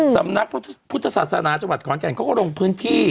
สำนักพุทธศาสนาจังหวัดขอนแก่นเขาก็ลงพื้นที่